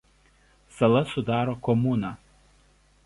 Sala sudaro komuną.